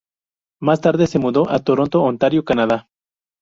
Más tarde se mudó a Toronto, Ontario, Canadá.